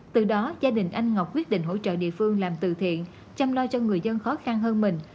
từ đó gia đình anh ngọc quyết định hỗ trợ địa phương làm từ thiện chăm lo cho người dân khó khăn hơn mình